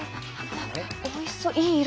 おいしそういい色。